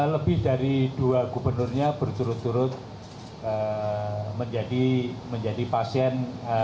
lebih dari dua gubernurnya berjurut jurut menjadi pasien